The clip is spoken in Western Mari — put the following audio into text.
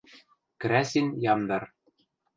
Крӓсин ямдар...